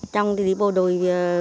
chồng thì bộ đôi